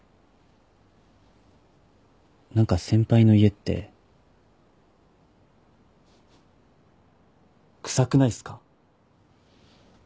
何か先輩の家って臭くないっすか？